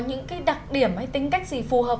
những cái đặc điểm hay tính cách gì phù hợp